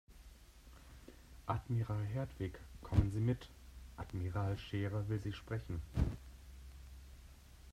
Admiral Hertwig, kommen Sie mit, Admiral Scherer will Sie sprechen.